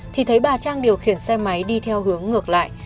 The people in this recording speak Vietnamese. thì thấy bà trang điều khiển xe máy đi theo hướng ngược lại